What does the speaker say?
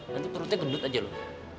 nanti perutnya gendut aja loh